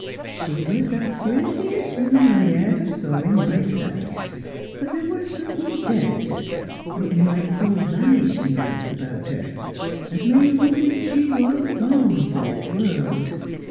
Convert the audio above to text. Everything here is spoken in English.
She was the prettiest woman I ever saw in my life ; but there was something delicate, what you might call vanishing like, about her, as made one think she wasn't long for this world.